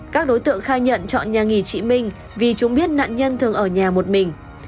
các đối tượng khai nhận chọn nhà nghỉ chị minh vì chúng biết nạn nhân thường ở nhà một mình